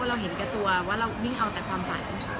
จะไม่เห็นกลับตัวและลิ่งออกจากความฝัน